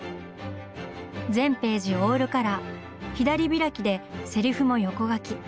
全ページオールカラー左開きでセリフも横書き。